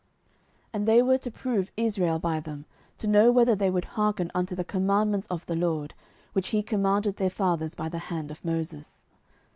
07:003:004 And they were to prove Israel by them, to know whether they would hearken unto the commandments of the LORD, which he commanded their fathers by the hand of Moses.